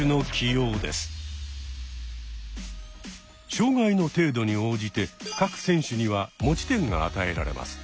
障害の程度に応じて各選手には持ち点が与えられます。